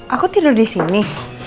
aku tidur disini